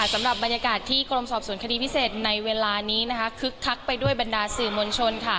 สำหรับบรรยากาศที่กรมสอบสวนคดีพิเศษในเวลานี้คึกคักไปด้วยบรรดาสื่อมวลชน